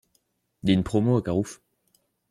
Y a une promo à Carrouf.